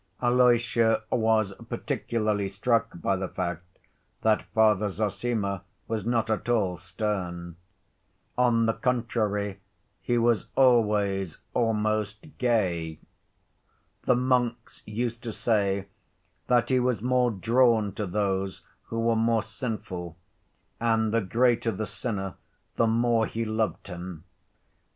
Alyosha was particularly struck by the fact that Father Zossima was not at all stern. On the contrary, he was always almost gay. The monks used to say that he was more drawn to those who were more sinful, and the greater the sinner the more he loved him.